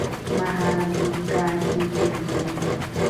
مهارت د کار کیفیت لوړوي